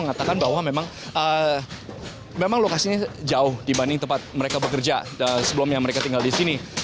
mengatakan bahwa memang lokasinya jauh dibanding tempat mereka bekerja sebelumnya mereka tinggal di sini